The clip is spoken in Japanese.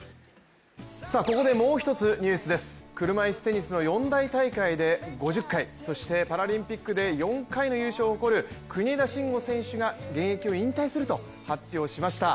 ここでもう一つニュースです、車いすテニスの四大大会で５０回、そして、パラリンピックで４回の優勝を誇る国枝慎吾選手が現役を引退すると発表しました。